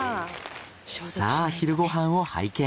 さあ昼ご飯を拝見。